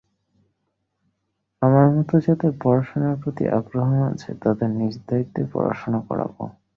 আমার মতো যাদের পড়াশোনার প্রতি আগ্রহ আছে, তাদের নিজ দায়িত্বে পড়াশোনা করাব।